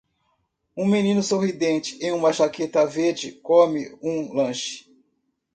Um menino sorridente em uma jaqueta verde come um lanche